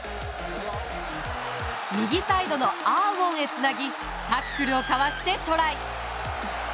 右サイドのアーウォンへつなぎタックルをかわしてトライ。